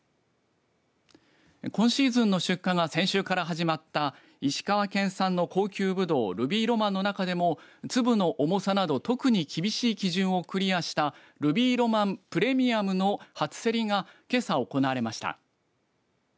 今シーズンの出荷が先週から始まった石川県産の高級ぶどうルビーロマンの中でも粒の重さなど特に厳しい基準をクリアしたルビーロマンプレミアムの初競りが、けさ行われました。